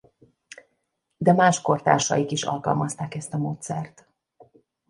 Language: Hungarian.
De más kortársaik is alkalmazták ezt a módszert.